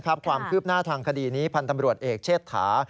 ความคืบหน้าทางคดีนี้พันธ์ตำรวจเอกเชษฐา